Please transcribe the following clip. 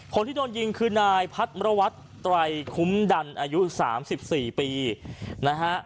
คนที่โดนยิงคือนายพัฒน์มรวชไตรคุ้มดันอายุสามสิบสี่ปีนะฮะ